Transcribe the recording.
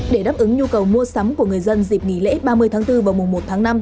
để đáp ứng nhu cầu mua sắm của người dân dịp nghỉ lễ ba mươi tháng bốn và mùa một tháng năm